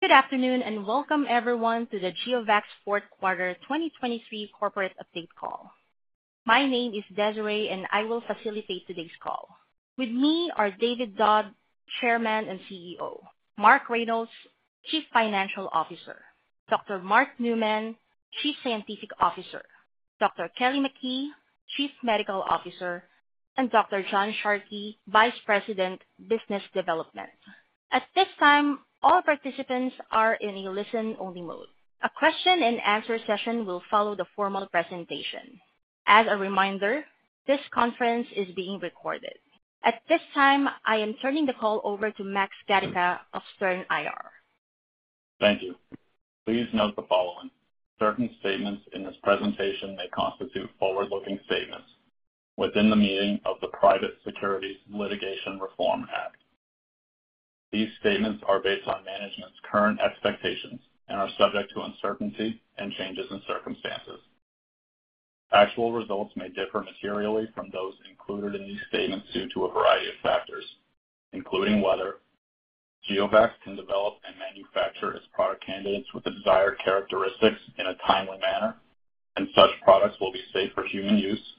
Good afternoon and welcome everyone to the GeoVax Fourth Quarter 2023 Corporate Update Call. My name is Desiree and I will facilitate today's call. With me are David Dodd, Chairman and CEO, Mark Reynolds, Chief Financial Officer, Dr. Mark Newman, Chief Scientific Officer, Dr. Kelly McKee, Chief Medical Officer, and Dr. John Sharkey, Vice President Business Development. At this time, all participants are in a listen-only mode. A question-and-answer session will follow the formal presentation. As a reminder, this conference is being recorded. At this time, I am turning the call over to Max Gatica of Stern IR. Thank you. Please note the following: certain statements in this presentation may constitute forward-looking statements within the meaning of the Private Securities Litigation Reform Act. These statements are based on management's current expectations and are subject to uncertainty and changes in circumstances. Actual results may differ materially from those included in these statements due to a variety of factors, including whether: GeoVax can develop and manufacture its product candidates with the desired characteristics in a timely manner, and such products will be safe for human use.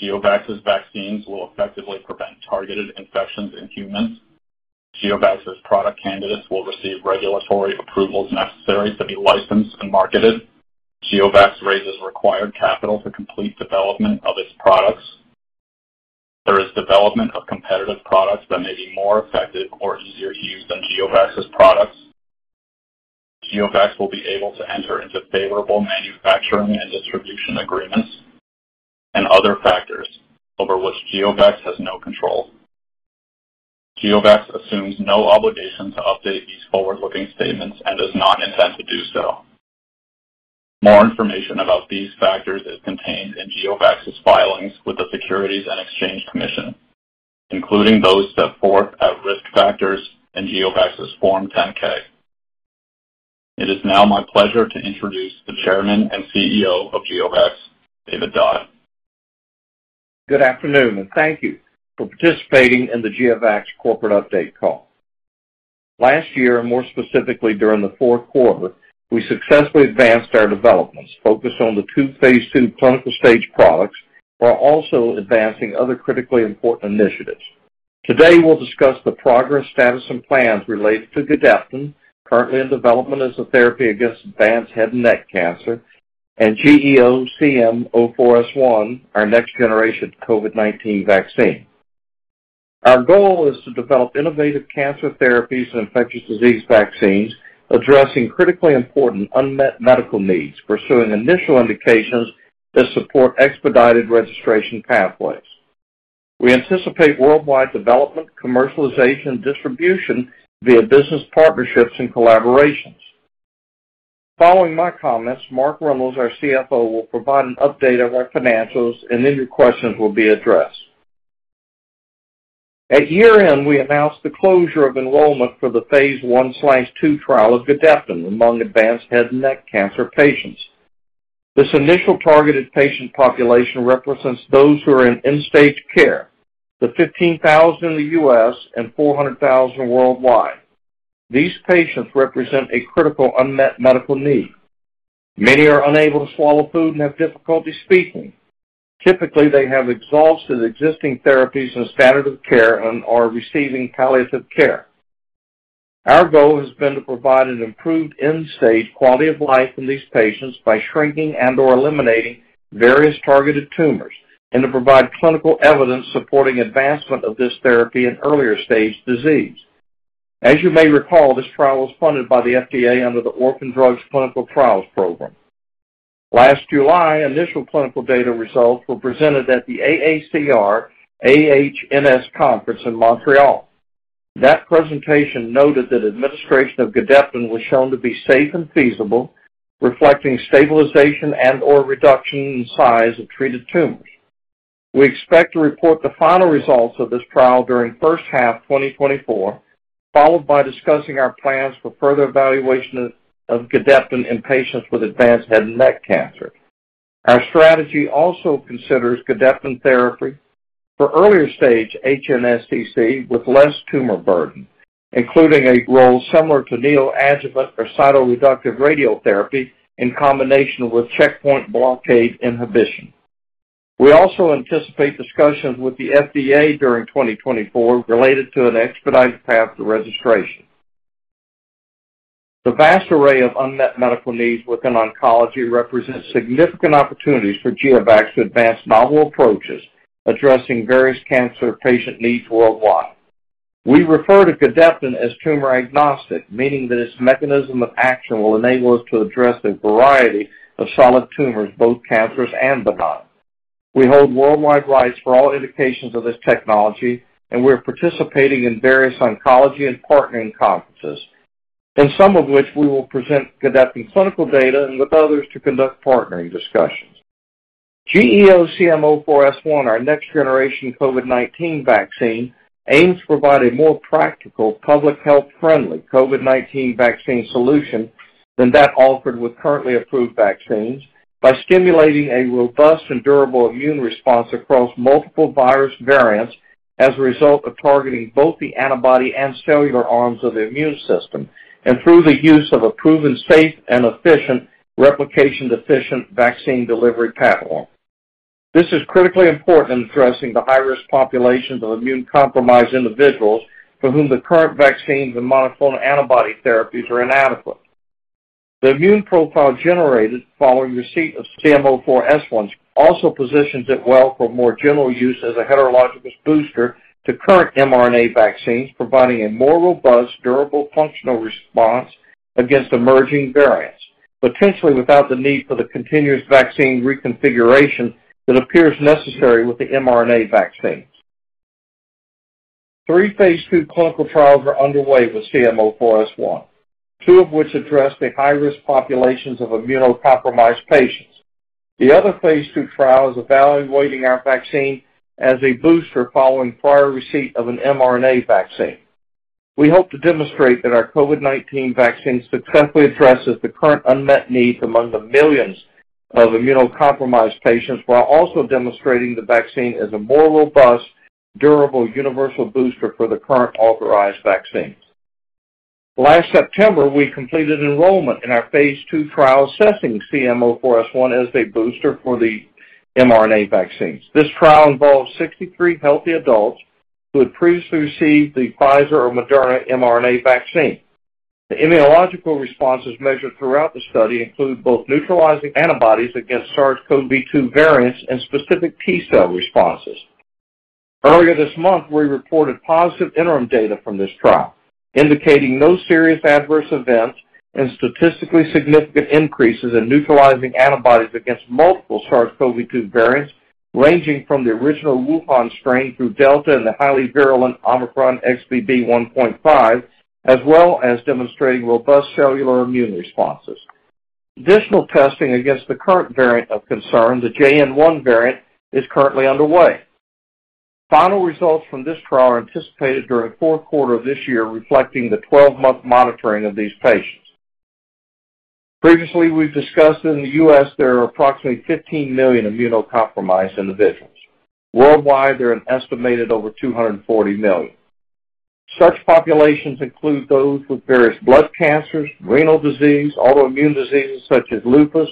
GeoVax's vaccines will effectively prevent targeted infections in humans. GeoVax's product candidates will receive regulatory approvals necessary to be licensed and marketed. GeoVax raises required capital to complete development of its products. There is development of competitive products that may be more effective or easier to use than GeoVax's products. GeoVax will be able to enter into favorable manufacturing and distribution agreements. And other factors over which GeoVax has no control. GeoVax assumes no obligation to update these forward-looking statements and does not intend to do so. More information about these factors is contained in GeoVax's filings with the Securities and Exchange Commission, including those set forth at Risk Factors in GeoVax's Form 10-K. It is now my pleasure to introduce the Chairman and CEO of GeoVax, David Dodd. Good afternoon and thank you for participating in the GeoVax Corporate Update Call. Last year, more specifically during the fourth quarter, we successfully advanced our developments, focused on the two phase II clinical stage products, while also advancing other critically important initiatives. Today we'll discuss the progress, status, and plans related to Gedeptin, currently in development as a therapy against advanced head and neck cancer, and GEO-CM04S1, our next-generation COVID-19 vaccine. Our goal is to develop innovative cancer therapies and infectious disease vaccines, addressing critically important unmet medical needs, pursuing initial indications to support expedited registration pathways. We anticipate worldwide development, commercialization, and distribution via business partnerships and collaborations. Following my comments, Mark Reynolds, our CFO, will provide an update of our financials and then your questions will be addressed. At year-end, we announced the closure of enrollment for the phase I/II trial of Gedeptin among advanced head and neck cancer patients. This initial targeted patient population represents those who are in end-stage care, the 15,000 in the U.S. and 400,000 worldwide. These patients represent a critical unmet medical need. Many are unable to swallow food and have difficulty speaking. Typically, they have exhausted existing therapies and standard of care and are receiving palliative care. Our goal has been to provide an improved end-stage quality of life in these patients by shrinking and/or eliminating various targeted tumors and to provide clinical evidence supporting advancement of this therapy in earlier stage disease. As you may recall, this trial was funded by the FDA under the Orphan Drugs Clinical Trials Program. Last July, initial clinical data results were presented at the AACR AHNS conference in Montreal. That presentation noted that administration of Gedeptin was shown to be safe and feasible, reflecting stabilization and/or reduction in size of treated tumors. We expect to report the final results of this trial during first half 2024, followed by discussing our plans for further evaluation of Gedeptin in patients with advanced head and neck cancer. Our strategy also considers Gedeptin therapy for earlier stage HNSCC with less tumor burden, including a role similar to neoadjuvant or cytoreductive radiotherapy in combination with checkpoint blockade inhibition. We also anticipate discussions with the FDA during 2024 related to an expedited path to registration. The vast array of unmet medical needs within oncology represents significant opportunities for GeoVax to advance novel approaches addressing various cancer patient needs worldwide. We refer to Gedeptin as tumor agnostic, meaning that its mechanism of action will enable us to address a variety of solid tumors, both cancerous and benign. We hold worldwide rights for all indications of this technology, and we are participating in various oncology and partnering conferences, in some of which we will present Gedeptin clinical data and with others to conduct partnering discussions. GEO-CM04S1, our next-generation COVID-19 vaccine, aims to provide a more practical, public health-friendly COVID-19 vaccine solution than that offered with currently approved vaccines by stimulating a robust and durable immune response across multiple virus variants as a result of targeting both the antibody and cellular arms of the immune system and through the use of a proven, safe, and efficient replication-deficient vaccine delivery platform. This is critically important in addressing the high-risk populations of immunocompromised individuals for whom the current vaccines and monoclonal antibody therapies are inadequate. The immune profile generated following receipt of CM04S1 also positions it well for more general use as a heterologous booster to current mRNA vaccines, providing a more robust, durable, functional response against emerging variants, potentially without the need for the continuous vaccine reconfiguration that appears necessary with the mRNA vaccines. Three phase II clinical trials are underway with CM04S1, two of which address the high-risk populations of immunocompromised patients. The other phase II trial is evaluating our vaccine as a booster following prior receipt of an mRNA vaccine. We hope to demonstrate that our COVID-19 vaccine successfully addresses the current unmet needs among the millions of immunocompromised patients while also demonstrating the vaccine as a more robust, durable, universal booster for the current authorized vaccines. Last September, we completed enrollment in our phase II trial assessing GEO-CM04S1 as a booster for the mRNA vaccines. This trial involved 63 healthy adults who had previously received the Pfizer or Moderna mRNA vaccine. The immunological responses measured throughout the study include both neutralizing antibodies against SARS-CoV-2 variants and specific T-cell responses. Earlier this month, we reported positive interim data from this trial indicating no serious adverse events and statistically significant increases in neutralizing antibodies against multiple SARS-CoV-2 variants ranging from the original Wuhan strain through Delta and the highly virulent Omicron XBB.1.5, as well as demonstrating robust cellular immune responses. Additional testing against the current variant of concern, the JN.1 variant, is currently underway. Final results from this trial are anticipated during the fourth quarter of this year, reflecting the 12-month monitoring of these patients. Previously, we've discussed in the U.S. there are approximately 15 million immunocompromised individuals. Worldwide, there are an estimated over 240 million. Such populations include those with various blood cancers, renal disease, autoimmune diseases such as lupus,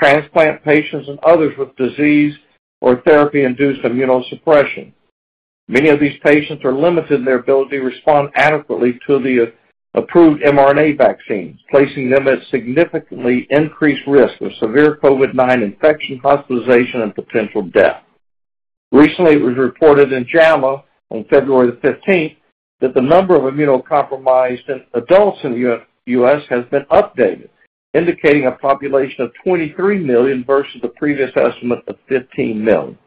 transplant patients, and others with disease or therapy-induced immunosuppression. Many of these patients are limited in their ability to respond adequately to the approved mRNA vaccines, placing them at significantly increased risk of severe COVID-19 infection, hospitalization, and potential death. Recently, it was reported in JAMA on February 15th that the number of immunocompromised adults in the U.S. has been updated, indicating a population of 23 million versus the previous estimate of 15 million.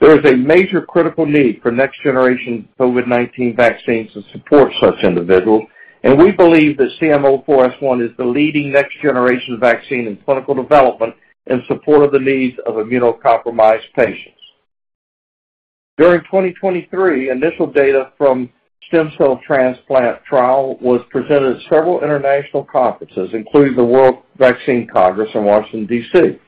There is a major critical need for next-generation COVID-19 vaccines to support such individuals, and we believe that CM04S1 is the leading next-generation vaccine in clinical development in support of the needs of immunocompromised patients. During 2023, initial data from the stem cell transplant trial was presented at several international conferences, including the World Vaccine Congress in Washington, D.C.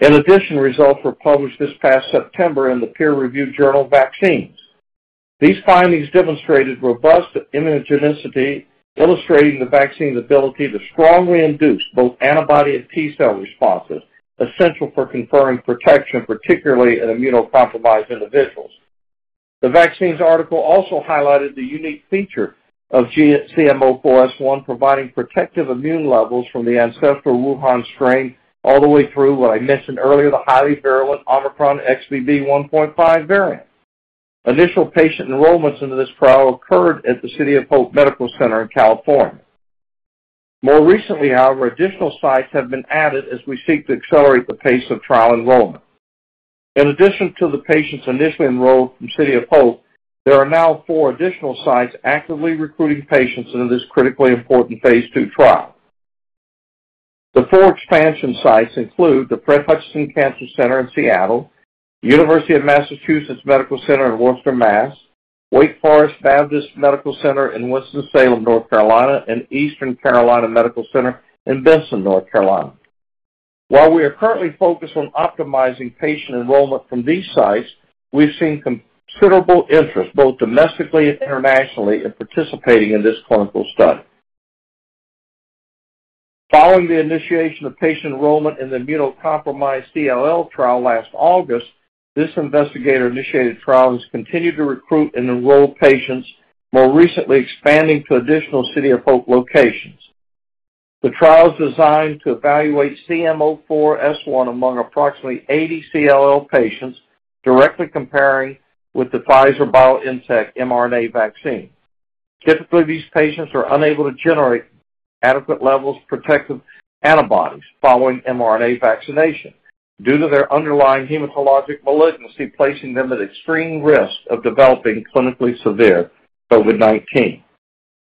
In addition, results were published this past September in the peer-reviewed journal Vaccines. These findings demonstrated robust immunogenicity, illustrating the vaccine's ability to strongly induce both antibody and T-cell responses, essential for confirming protection, particularly in immunocompromised individuals. The vaccines' article also highlighted the unique feature of CM04S1 providing protective immune levels from the ancestral Wuhan strain all the way through what I mentioned earlier, the highly virulent Omicron XBB.1.5 variant. Initial patient enrollments into this trial occurred at the City of Hope Medical Center in California. More recently, however, additional sites have been added as we seek to accelerate the pace of trial enrollment. In addition to the patients initially enrolled from City of Hope, there are now four additional sites actively recruiting patients into this critically important phase II trial. The four expansion sites include the Fred Hutch Cancer Center in Seattle, University of Massachusetts Medical Center in Worcester, Massachusetts, Wake Forest Baptist Medical Center in Winston-Salem, North Carolina, and Eastern Carolina Medical Center in Benson, North Carolina. While we are currently focused on optimizing patient enrollment from these sites, we've seen considerable interest both domestically and internationally in participating in this clinical study. Following the initiation of patient enrollment in the immunocompromised CLL trial last August, this investigator-initiated trial has continued to recruit and enroll patients, more recently expanding to additional City of Hope locations. The trial is designed to evaluate GEO-CM04S1 among approximately 80 CLL patients, directly comparing with the Pfizer-BioNTech mRNA vaccine. Typically, these patients are unable to generate adequate levels of protective antibodies following mRNA vaccination due to their underlying hematologic malignancy, placing them at extreme risk of developing clinically severe COVID-19.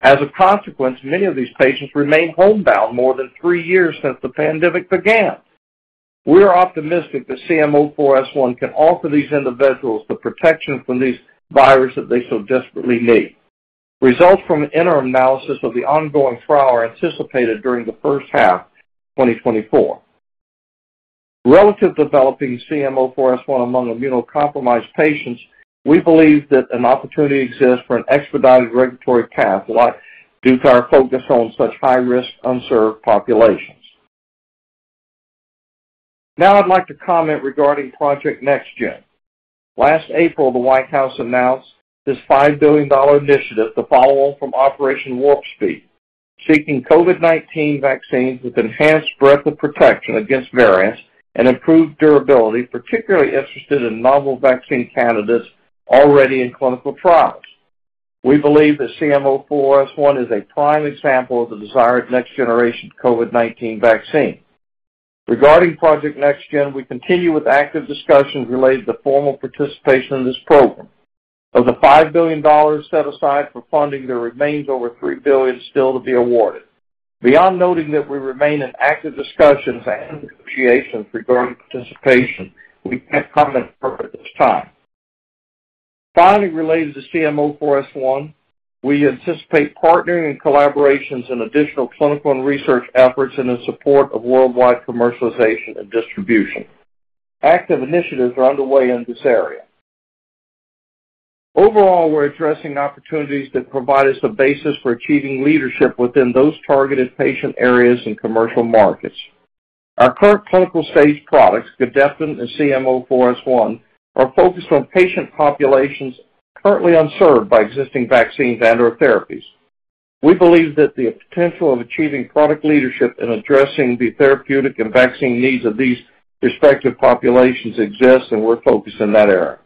As a consequence, many of these patients remain homebound more than three years since the pandemic began. We are optimistic that CM04S1 can offer these individuals the protection from these viruses that they so desperately need. Results from interim analysis of the ongoing trial are anticipated during the first half of 2024. Relative to developing CM04S1 among immunocompromised patients, we believe that an opportunity exists for an expedited regulatory path due to our focus on such high-risk, unserved populations. Now I'd like to comment regarding Project NextGen. Last April, the White House announced this $5 billion initiative, the follow-up from Operation Warp Speed, seeking COVID-19 vaccines with enhanced breadth of protection against variants and improved durability, particularly interested in novel vaccine candidates already in clinical trials. We believe that GEO-CM04S1 is a prime example of the desired next-generation COVID-19 vaccine. Regarding Project NextGen, we continue with active discussions related to the formal participation in this program. Of the $5 billion set aside for funding, there remains over $3 billion still to be awarded. Beyond noting that we remain in active discussions and negotiations regarding participation, we can't comment further at this time. Finally, related to GEO-CM04S1, we anticipate partnering and collaborations in additional clinical and research efforts in support of worldwide commercialization and distribution. Active initiatives are underway in this area. Overall, we're addressing opportunities that provide us a basis for achieving leadership within those targeted patient areas and commercial markets. Our current clinical stage products, Gedeptin and GEO-CM04S1, are focused on patient populations currently unserved by existing vaccines and/or therapies. We believe that the potential of achieving product leadership in addressing the therapeutic and vaccine needs of these respective populations exists, and we're focused in that area.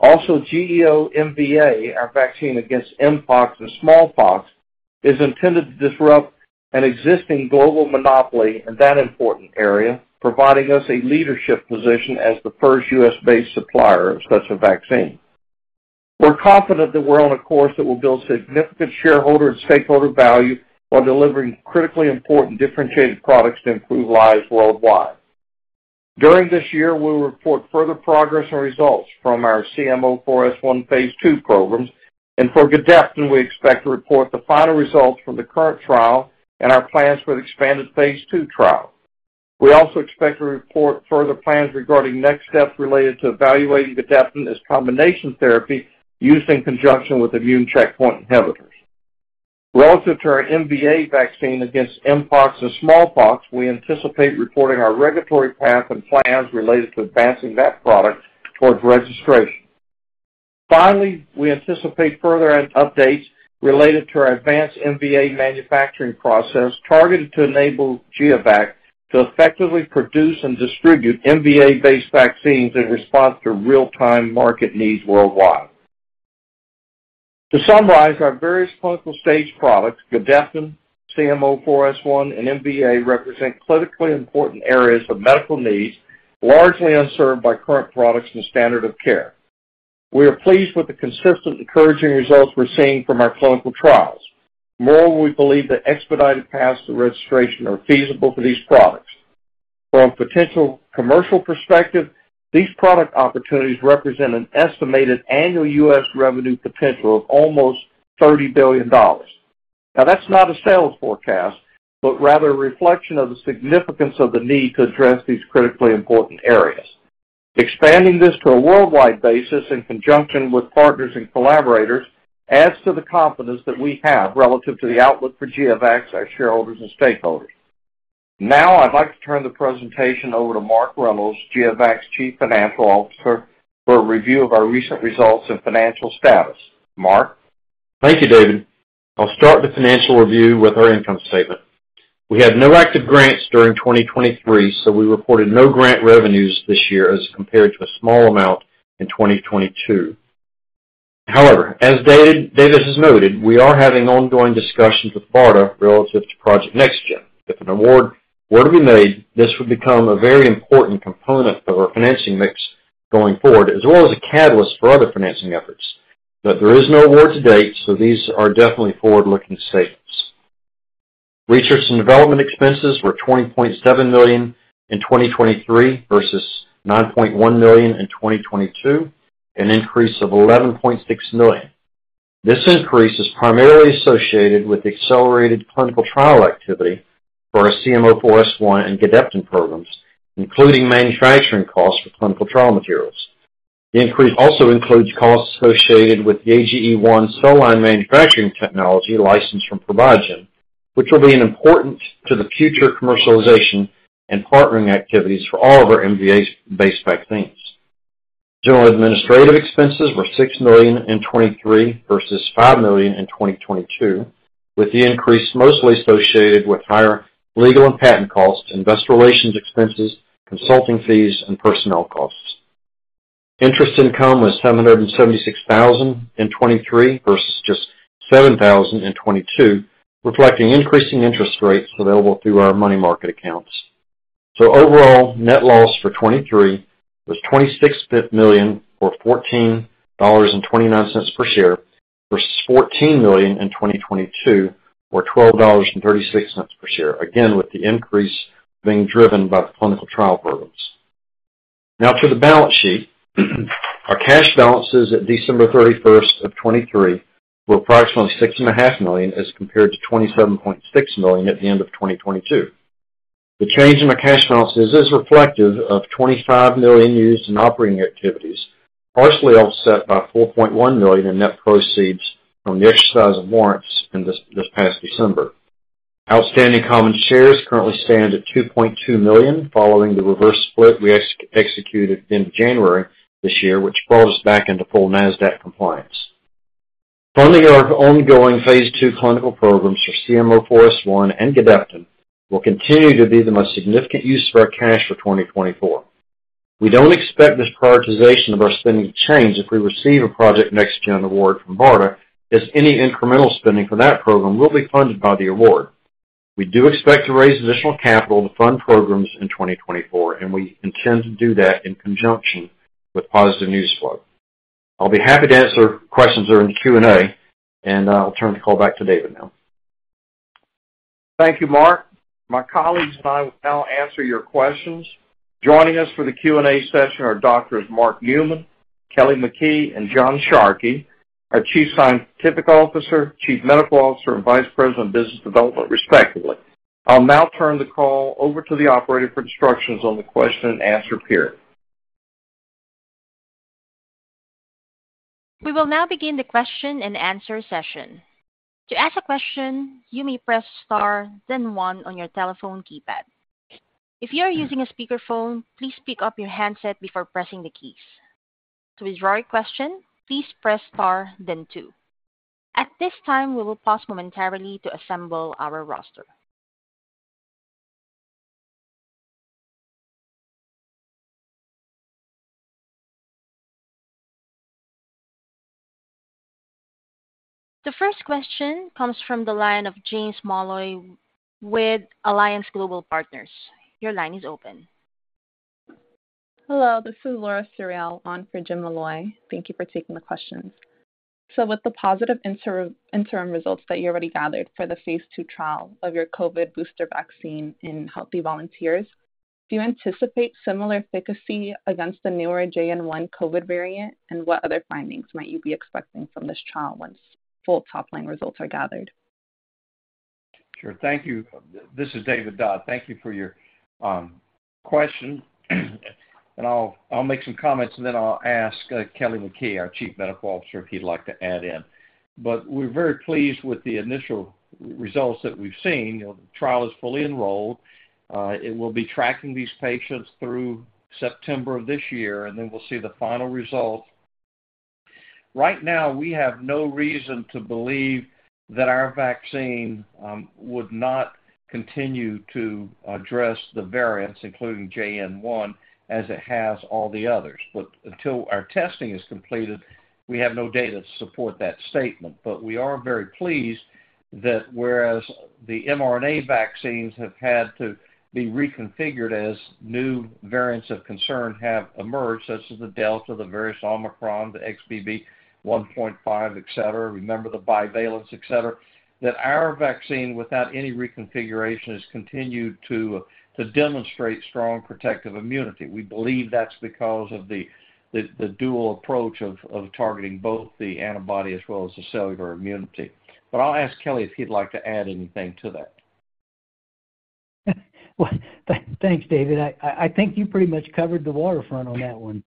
Also, GEO-MVA, our vaccine against mpox and smallpox, is intended to disrupt an existing global monopoly in that important area, providing us a leadership position as the first U.S.-based supplier of such a vaccine. We're confident that we're on a course that will build significant shareholder and stakeholder value while delivering critically important differentiated products to improve lives worldwide. During this year, we'll report further progress and results from our CM04S1 phase II programs, and for Gedeptin, we expect to report the final results from the current trial and our plans for the expanded phase II trial. We also expect to report further plans regarding next steps related to evaluating Gedeptin as combination therapy used in conjunction with immune checkpoint inhibitors. Relative to our MVA vaccine against mpox and smallpox, we anticipate reporting our regulatory path and plans related to advancing that product towards registration. Finally, we anticipate further updates related to our advanced MVA manufacturing process targeted to enable GeoVax to effectively produce and distribute MVA-based vaccines in response to real-time market needs worldwide. To summarize, our various clinical stage products, Gedeptin, CM04S1, and MVA, represent clinically important areas of medical needs largely unserved by current products and standard of care. We are pleased with the consistent encouraging results we're seeing from our clinical trials. Moreover, we believe the expedited paths to registration are feasible for these products. From a potential commercial perspective, these product opportunities represent an estimated annual US revenue potential of almost $30 billion. Now, that's not a sales forecast, but rather a reflection of the significance of the need to address these critically important areas. Expanding this to a worldwide basis in conjunction with partners and collaborators adds to the confidence that we have relative to the outlook for GeoVax as shareholders and stakeholders. Now I'd like to turn the presentation over to Mark Reynolds, GeoVax Chief Financial Officer, for a review of our recent results and financial status. Mark. Thank you, David. I'll start the financial review with our income statement. We had no active grants during 2023, so we reported no grant revenues this year as compared to a small amount in 2022. However, as David has noted, we are having ongoing discussions with BARDA relative to Project NextGen. If an award were to be made, this would become a very important component of our financing mix going forward, as well as a catalyst for other financing efforts. But there is no award to date, so these are definitely forward-looking statements. Research and development expenses were $20.7 million in 2023 versus $9.1 million in 2022, an increase of $11.6 million. This increase is primarily associated with accelerated clinical trial activity for our CM04S1 and Gedeptin programs, including manufacturing costs for clinical trial materials. The increase also includes costs associated with the AGE1 cell line manufacturing technology licensed from ProBioGen, which will be important to the future commercialization and partnering activities for all of our MVA-based vaccines. General administrative expenses were $6 million in 2023 versus $5 million in 2022, with the increase mostly associated with higher legal and patent costs, investor relations expenses, consulting fees, and personnel costs. Interest income was $776,000 in 2023 versus just $7,000 in 2022, reflecting increasing interest rates available through our money market accounts. So overall, net loss for 2023 was $26 million or $14.29 per share versus $14 million in 2022 or $12.36 per share, again with the increase being driven by the clinical trial programs. Now to the balance sheet. Our cash balances at December 31, 2023 were approximately $6.5 million as compared to $27.6 million at the end of 2022. The change in our cash balances is reflective of $25 million used in operating activities, partially offset by $4.1 million in net proceeds from the exercise of warrants this past December. Outstanding common shares currently stand at 2.2 million following the reverse split we executed in January this year, which brought us back into full NASDAQ compliance. Funding of our ongoing phase II clinical programs for CM04S1 and Gedeptin will continue to be the most significant use of our cash for 2024. We don't expect this prioritization of our spending to change if we receive a Project NextGen award from BARDA, as any incremental spending for that program will be funded by the award. We do expect to raise additional capital to fund programs in 2024, and we intend to do that in conjunction with positive news flow. I'll be happy to answer questions during the Q&A, and I'll turn the call back to David now. Thank you, Mark. My colleagues and I will now answer your questions. Joining us for the Q&A session are Doctors Mark Newman, Kelly McKee, and John Sharkey, our Chief Scientific Officer, Chief Medical Officer, and Vice President of Business Development, respectively. I'll now turn the call over to the operator for instructions on the question-and-answer period. We will now begin the question-and-answer session. To ask a question, you may press star, then one on your telephone keypad. If you are using a speakerphone, please pick up your handset before pressing the keys. To withdraw your question, please press star, then two. At this time, we will pause momentarily to assemble our roster. The first question comes from the line of James Molloy with Alliance Global Partners. Your line is open. Hello, this is Laura Suriel on for Jim Molloy. Thank you for taking the questions. So with the positive interim results that you already gathered for the phase II trial of your COVID booster vaccine in healthy volunteers, do you anticipate similar efficacy against the newer JN.1 COVID variant, and what other findings might you be expecting from this trial once full top-line results are gathered? Sure. Thank you. This is David Dodd. Thank you for your question. And I'll make some comments, and then I'll ask Kelly McKee, our Chief Medical Officer, if he'd like to add in. But we're very pleased with the initial results that we've seen. The trial is fully enrolled. It will be tracking these patients through September of this year, and then we'll see the final results. Right now, we have no reason to believe that our vaccine would not continue to address the variants, including JN.1, as it has all the others. But until our testing is completed, we have no data to support that statement. But we are very pleased that whereas the mRNA vaccines have had to be reconfigured as new variants of concern have emerged, such as the Delta, the various Omicron, the XBB.1.5, etc., remember the bivalent, etc., that our vaccine, without any reconfiguration, has continued to demonstrate strong protective immunity. We believe that's because of the dual approach of targeting both the antibody as well as the cellular immunity. But I'll ask Kelly if he'd like to add anything to that. Thanks, David. I think you pretty much covered the waterfront on that one.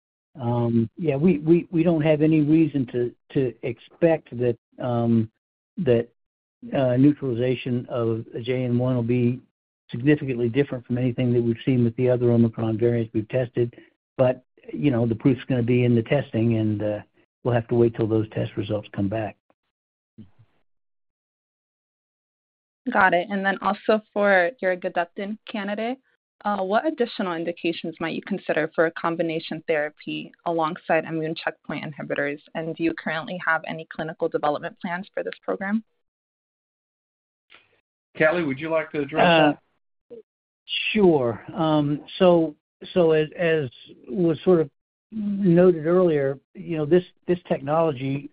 Yeah, we don't have any reason to expect that neutralization of JN.1 will be significantly different from anything that we've seen with the other Omicron variants we've tested. But the proof's going to be in the testing, and we'll have to wait till those test results come back. Got it. And then also for your Gedeptin candidate, what additional indications might you consider for a combination therapy alongside immune checkpoint inhibitors? And do you currently have any clinical development plans for this program? Kelly, would you like to address that? Sure. So as was sort of noted earlier, this technology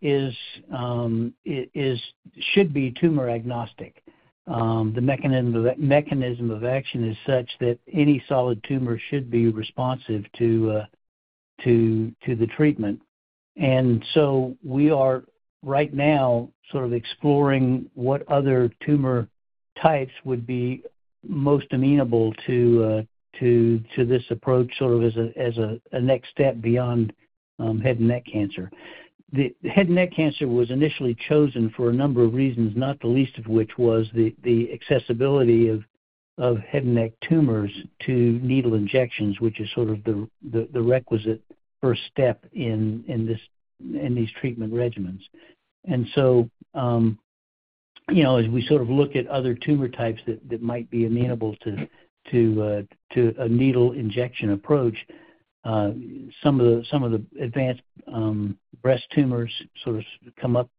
should be tumor agnostic. The mechanism of action is such that any solid tumor should be responsive to the treatment. And so we are right now sort of exploring what other tumor types would be most amenable to this approach sort of as a next step beyond head and neck cancer. Head and neck cancer was initially chosen for a number of reasons, not the least of which was the accessibility of head and neck tumors to needle injections, which is sort of the requisite first step in these treatment regimens. And so as we sort of look at other tumor types that might be amenable to a needle injection approach, some of the advanced breast tumors sort of come up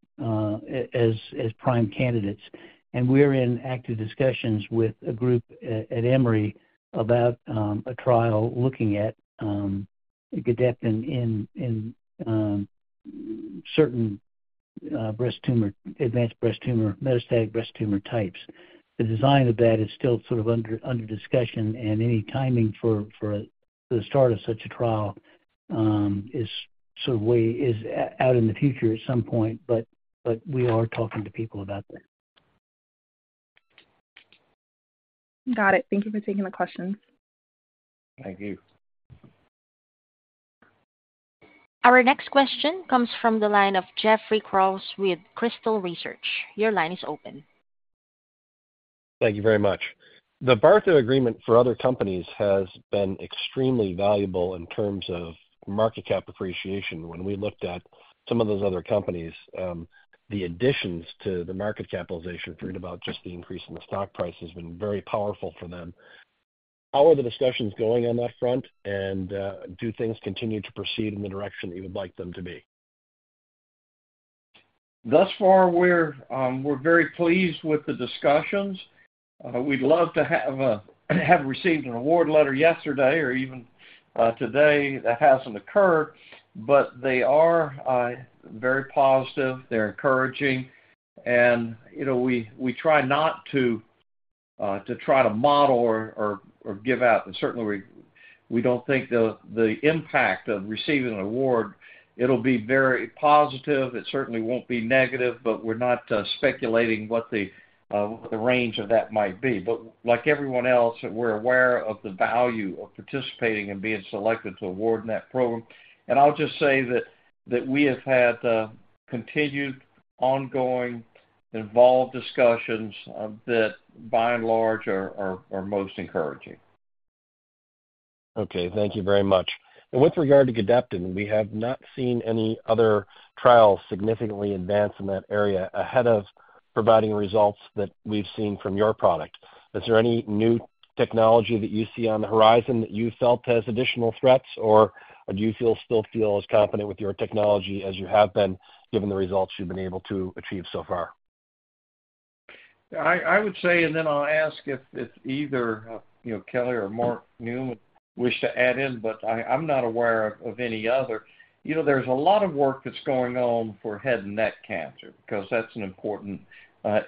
as prime candidates. And we are in active discussions with a group at Emory about a trial looking at Gedeptin in certain advanced breast tumor, metastatic breast tumor types. The design of that is still sort of under discussion, and any timing for the start of such a trial is sort of out in the future at some point, but we are talking to people about that. Got it. Thank you for taking the questions. Thank you. Our next question comes from the line of Jeffrey Kraws with Crystal Research. Your line is open. Thank you very much. The BARDA agreement for other companies has been extremely valuable in terms of market cap appreciation. When we looked at some of those other companies, the additions to the market capitalization for about just the increase in the stock price has been very powerful for them. How are the discussions going on that front, and do things continue to proceed in the direction that you would like them to be? Thus far, we're very pleased with the discussions. We'd love to have received an award letter yesterday or even today, but that hasn't occurred. They are very positive. They're encouraging. We try not to try to model or give out. Certainly, we don't think the impact of receiving an award; it'll be very positive. It certainly won't be negative, but we're not speculating what the range of that might be. Like everyone else, we're aware of the value of participating and being selected to award in that program. I'll just say that we have had continued, ongoing, involved discussions that, by and large, are most encouraging. Okay. Thank you very much. With regard to Gedeptin, we have not seen any other trials significantly advance in that area ahead of providing results that we've seen from your product. Is there any new technology that you see on the horizon that you felt has additional threats, or do you still feel as confident with your technology as you have been given the results you've been able to achieve so far? I would say, and then I'll ask if either Kelly or Mark Newman wish to add in, but I'm not aware of any other. There's a lot of work that's going on for head and neck cancer because that's an important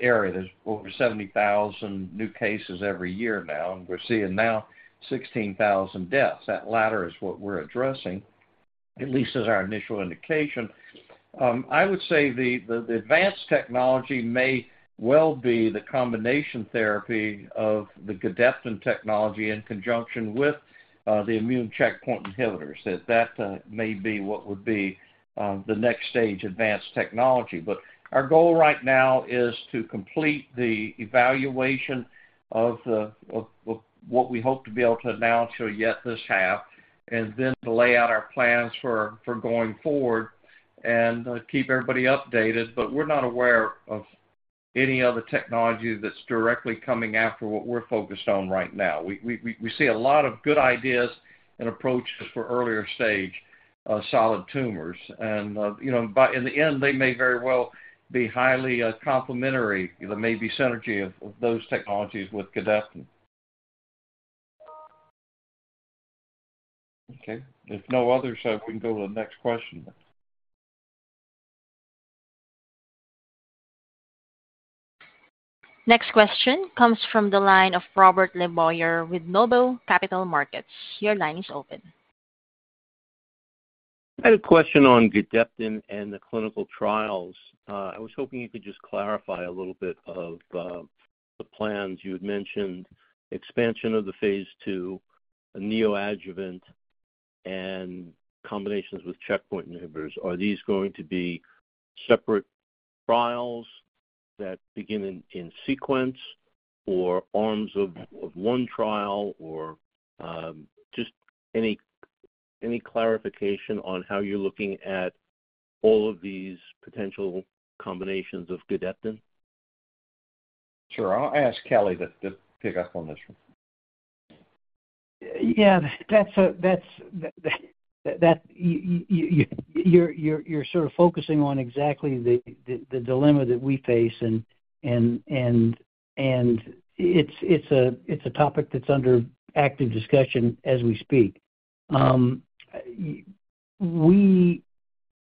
area. There's over 70,000 new cases every year now, and we're seeing now 16,000 deaths. That latter is what we're addressing, at least as our initial indication. I would say the advanced technology may well be the combination therapy of the Gedeptin technology in conjunction with the immune checkpoint inhibitors. That may be what would be the next stage advanced technology. But our goal right now is to complete the evaluation of what we hope to be able to announce to you yet this half, and then to lay out our plans for going forward and keep everybody updated. But we're not aware of any other technology that's directly coming after what we're focused on right now. We see a lot of good ideas and approaches for earlier stage solid tumors. And in the end, they may very well be highly complementary. There may be synergy of those technologies with Gedeptin. Okay. If no others, we can go to the next question. Next question comes from the line of Robert LeBoyer with Noble Capital Markets. Your line is open. I had a question on Gedeptin and the clinical trials. I was hoping you could just clarify a little bit of the plans. You had mentioned expansion of the phase II, a neoadjuvant, and combinations with checkpoint inhibitors. Are these going to be separate trials that begin in sequence or arms of one trial, or just any clarification on how you're looking at all of these potential combinations of Gedeptin? Sure. I'll ask Kelly to pick up on this one. Yeah. You're sort of focusing on exactly the dilemma that we face, and it's a topic that's under active discussion as we speak.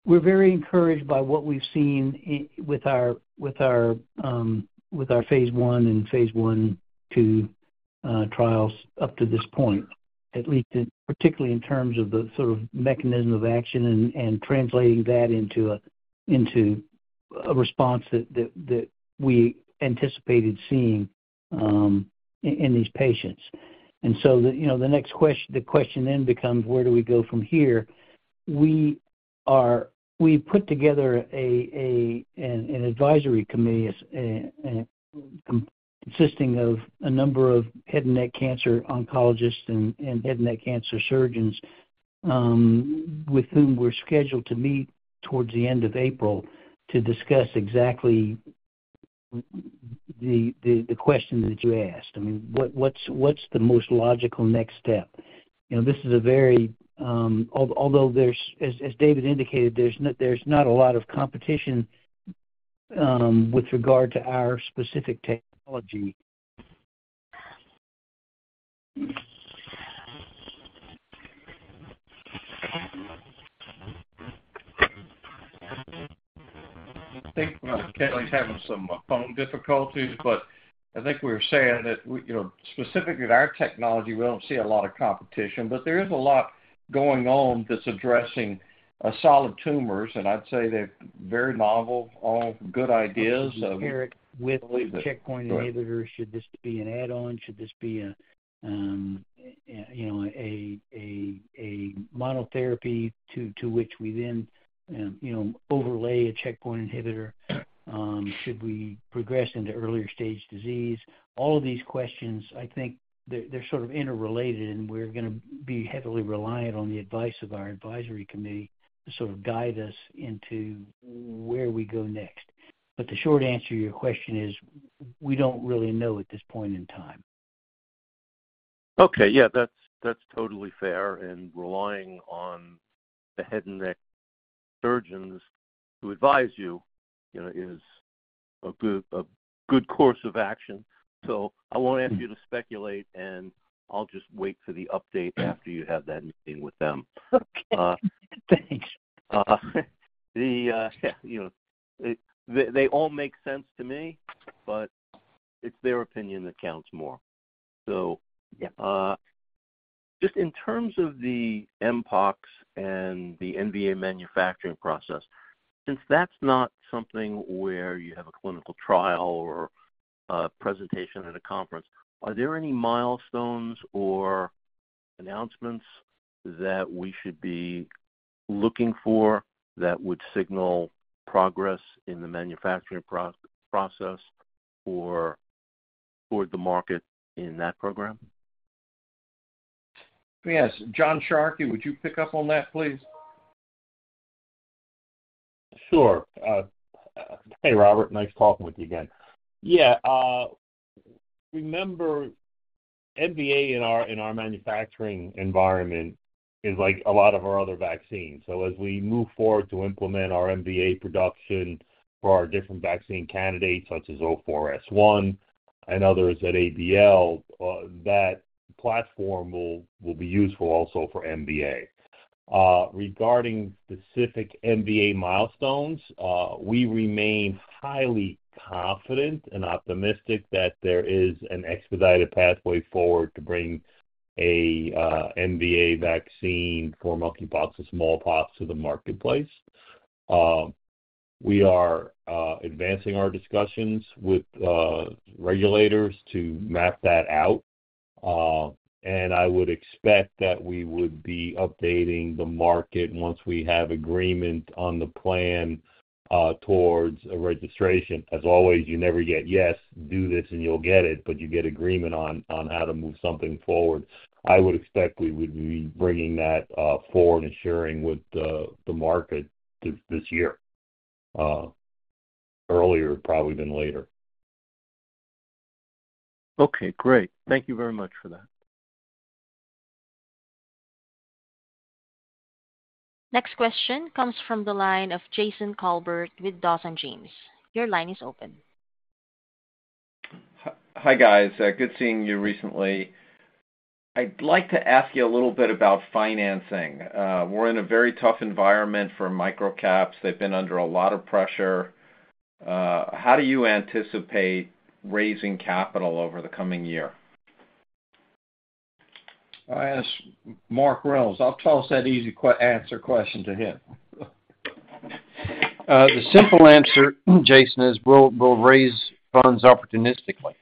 We're very encouraged by what we've seen with our phase I and phase II trials up to this point, particularly in terms of the sort of mechanism of action and translating that into a response that we anticipated seeing in these patients. And so the next question then becomes, where do we go from here? We put together an advisory committee consisting of a number of head and neck cancer oncologists and head and neck cancer surgeons with whom we're scheduled to meet towards the end of April to discuss exactly the question that you asked. I mean, what's the most logical next step? This is a very although, as David indicated, there's not a lot of competition with regard to our specific technology. I think Kelly's having some phone difficulties, but I think we were saying that specifically with our technology, we don't see a lot of competition. But there is a lot going on that's addressing solid tumors, and I'd say they're very novel, all good ideas of. Compared with checkpoint inhibitors, should this be an add-on? Should this be a monotherapy to which we then overlay a checkpoint inhibitor? Should we progress into earlier stage disease? All of these questions, I think, they're sort of interrelated, and we're going to be heavily reliant on the advice of our advisory committee to sort of guide us into where we go next. But the short answer to your question is we don't really know at this point in time. Okay. Yeah, that's totally fair. And relying on the head and neck surgeons to advise you is a good course of action. So I won't ask you to speculate, and I'll just wait for the update after you have that meeting with them. Okay. Thanks. Yeah. They all make sense to me, but it's their opinion that counts more. So just in terms of the mpox and the MVA manufacturing process, since that's not something where you have a clinical trial or presentation at a conference, are there any milestones or announcements that we should be looking for that would signal progress in the manufacturing process or the market in that program? Yes. John Sharkey, would you pick up on that, please? Sure. Hey, Robert. Nice talking with you again. Yeah. Remember, MVA in our manufacturing environment is like a lot of our other vaccines. So as we move forward to implement our MVA production for our different vaccine candidates such as 04S1 and others at ABL, that platform will be useful also for MVA. Regarding specific MVA milestones, we remain highly confident and optimistic that there is an expedited pathway forward to bring an MVA vaccine for monkeypox and smallpox to the marketplace. We are advancing our discussions with regulators to map that out. I would expect that we would be updating the market once we have agreement on the plan towards a registration. As always, you never get yes. Do this, and you'll get it, but you get agreement on how to move something forward. I would expect we would be bringing that forward and sharing with the market this year, earlier probably than later. Okay. Great. Thank you very much for that. Next question comes from the line of Jason Colbert with Dawson James. Your line is open. Hi, guys. Good seeing you recently. I'd like to ask you a little bit about financing. We're in a very tough environment for microcaps. They've been under a lot of pressure. How do you anticipate raising capital over the coming year? I ask Mark Reynolds. I'll tell you the easy answer to that question. The simple answer, Jason, is we'll raise funds opportunistically.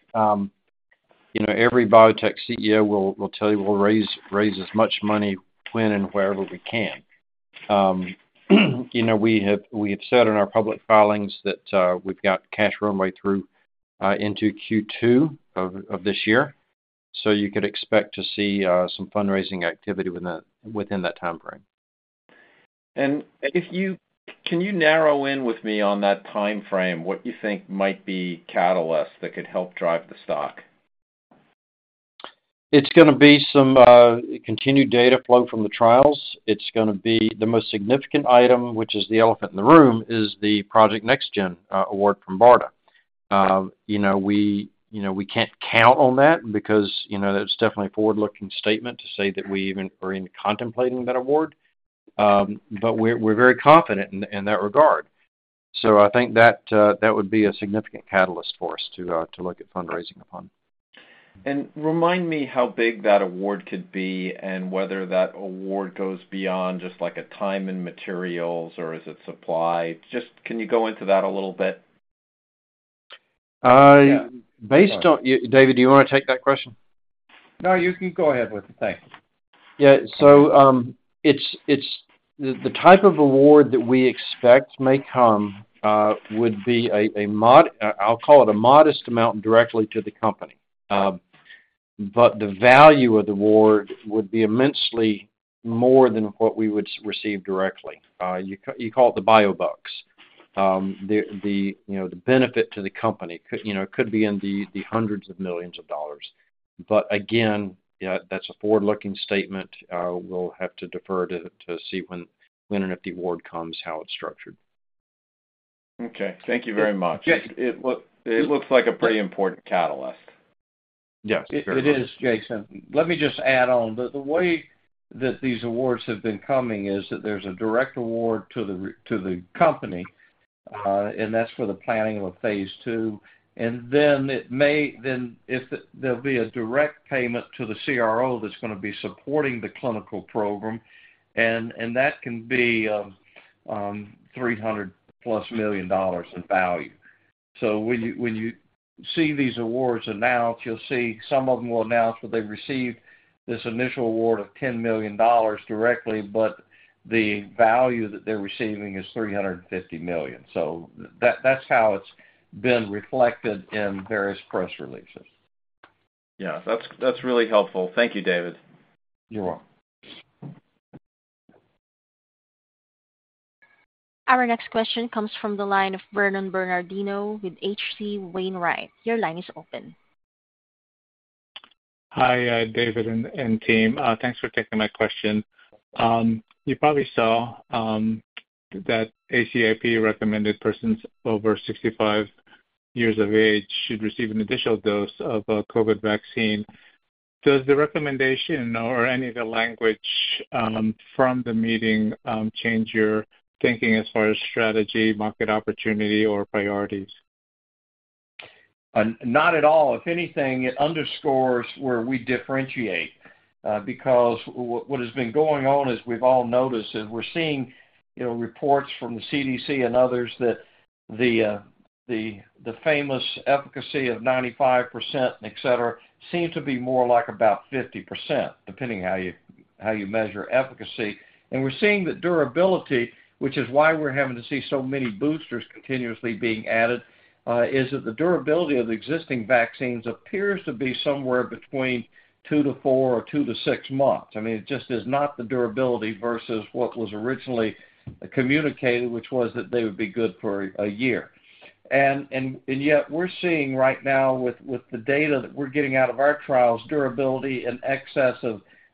Every biotech CEO will tell you we'll raise as much money when and wherever we can. We have said in our public filings that we've got cash runway through into Q2 of this year, so you could expect to see some fundraising activity within that timeframe. And can you narrow in with me on that timeframe, what you think might be catalysts that could help drive the stock? It's going to be some continued data flow from the trials. The most significant item, which is the elephant in the room, is the Project NextGen award from BARDA. We can't count on that because that's definitely a forward-looking statement to say that we are even contemplating that award. But we're very confident in that regard. I think that would be a significant catalyst for us to look at fundraising upon. Remind me how big that award could be and whether that award goes beyond just a time and materials, or is it supply? Just, can you go into that a little bit? David, do you want to take that question? No, you can go ahead with it. Thanks. Yeah. So the type of award that we expect may come would be a, I'll call it, a modest amount directly to the company. But the value of the award would be immensely more than what we would receive directly. You call it the biobucks. The benefit to the company could be in the $100 of millions. But again, that's a forward-looking statement. We'll have to defer to see when and if the award comes, how it's structured. Okay. Thank you very much. It looks like a pretty important catalyst. Yes. It is, Jason. Let me just add on. The way that these awards have been coming is that there's a direct award to the company, and that's for the planning of a phase II. And then there'll be a direct payment to the CRO that's going to be supporting the clinical program, and that can be $300+ million in value. So when you see these awards announced, you'll see some of them will announce where they received this initial award of $10 million directly, but the value that they're receiving is $350 million. So that's how it's been reflected in various press releases. Yeah. That's really helpful. Thank you, David. You're welcome. Our next question comes from the line of Vernon Bernardino with H.C. Wainwright. Your line is open. Hi, David and team. Thanks for taking my question. You probably saw that ACIP recommended persons over 65 years of age should receive an additional dose of a COVID vaccine. Does the recommendation or any of the language from the meeting change your thinking as far as strategy, market opportunity, or priorities? Not at all. If anything, it underscores where we differentiate because what has been going on, as we've all noticed, is we're seeing reports from the CDC and others that the famous efficacy of 95%, etc., seems to be more like about 50%, depending how you measure efficacy. We're seeing that durability, which is why we're having to see so many boosters continuously being added, is that the durability of the existing vaccines appears to be somewhere between two to four or two to six months. I mean, it just is not the durability versus what was originally communicated, which was that they would be good for a year. And yet, we're seeing right now with the data that we're getting out of our trials, durability in excess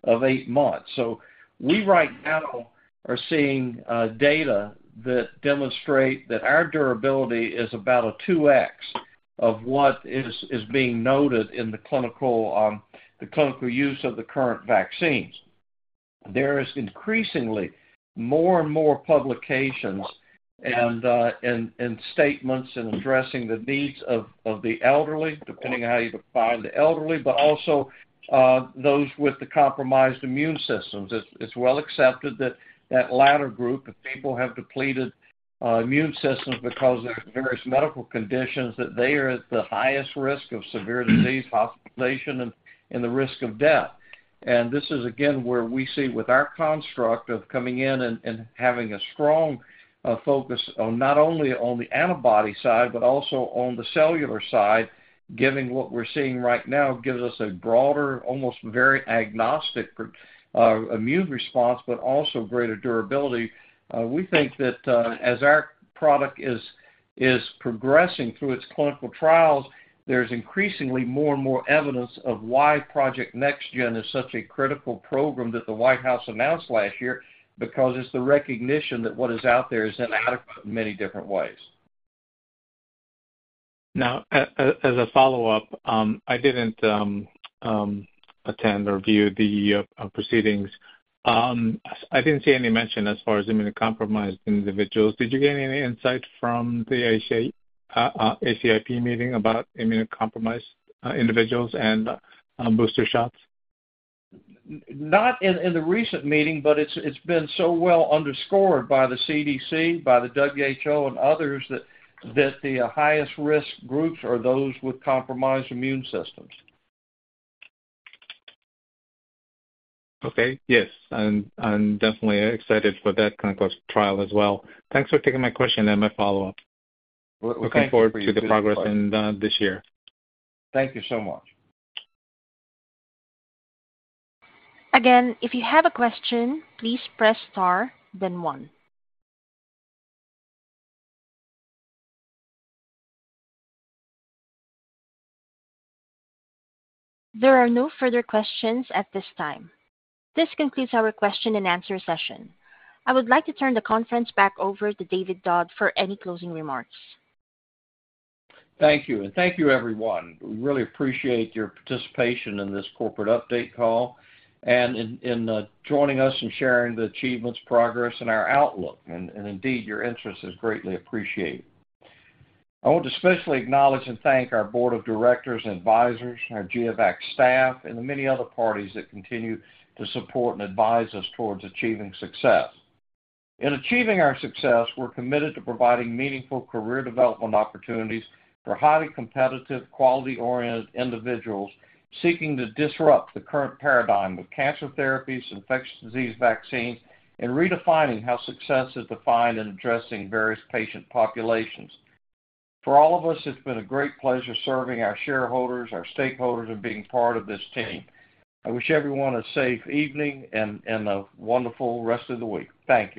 of eight months. So we right now are seeing data that demonstrate that our durability is about a 2x of what is being noted in the clinical use of the current vaccines. There is increasingly more and more publications and statements in addressing the needs of the elderly, depending on how you define the elderly, but also those with the compromised immune systems. It's well accepted that that latter group, if people have depleted immune systems because of various medical conditions, that they are at the highest risk of severe disease, hospitalization, and the risk of death. This is, again, where we see with our construct of coming in and having a strong focus not only on the antibody side but also on the cellular side, giving what we're seeing right now gives us a broader, almost very agnostic immune response but also greater durability. We think that as our product is progressing through its clinical trials, there's increasingly more and more evidence of why Project NextGen is such a critical program that the White House announced last year because it's the recognition that what is out there is inadequate in many different ways. Now, as a follow-up, I didn't attend or view the proceedings. I didn't see any mention as far as immunocompromised individuals. Did you get any insight from the ACIP meeting about immunocompromised individuals and booster shots? Not in the recent meeting, but it's been so well underscored by the CDC, by the WHO, and others that the highest risk groups are those with compromised immune systems. Okay. Yes. I'm definitely excited for that clinical trial as well. Thanks for taking my question and my follow-up. Looking forward to the progress this year. Thank you so much. Again, if you have a question, please press star, then one. There are no further questions at this time. This concludes our question-and-answer session. I would like to turn the conference back over to David Dodd for any closing remarks. Thank you. And thank you, everyone. We really appreciate your participation in this corporate update call and in joining us and sharing the achievements, progress, and our outlook. And indeed, your interest is greatly appreciated. I want to especially acknowledge and thank our board of directors and advisors, our GeoVax staff, and the many other parties that continue to support and advise us towards achieving success. In achieving our success, we're committed to providing meaningful career development opportunities for highly competitive, quality-oriented individuals seeking to disrupt the current paradigm of cancer therapies, infectious disease vaccines, and redefining how success is defined in addressing various patient populations. For all of us, it's been a great pleasure serving our shareholders, our stakeholders, and being part of this team. I wish everyone a safe evening and a wonderful rest of the week. Thank you.